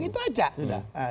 itu aja sudah